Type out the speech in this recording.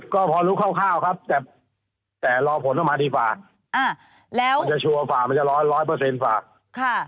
ก็พอรู้คร่าวครับแต่รอผลต้องมาดีฝาก